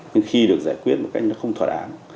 nhưng khi được giải quyết một cách nó không thoạt án